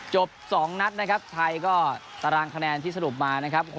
จบ๒นัดนะครับไทยก็ตารางคะแนนที่สรุปมานะครับ